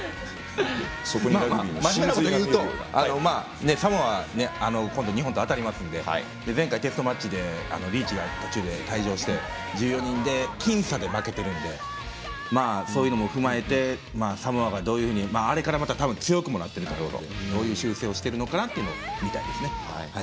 まあ、真面目なことを言うとサモア、今度日本と当たりますので前回、テストマッチでリーチが途中で退場して１４人で僅差で負けてるんでそういうのも踏まえてサモアが、どういうふうにあれから強くもなってると思うのでどういう修正をしてるのかなと。